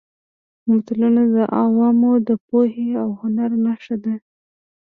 متلونه د عوامو د پوهې او هنر نښه ده